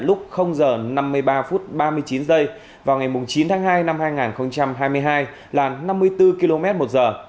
lúc giờ năm mươi ba phút ba mươi chín giây vào ngày chín tháng hai năm hai nghìn hai mươi hai là năm mươi bốn km một giờ